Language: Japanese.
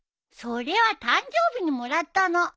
それは誕生日にもらったの。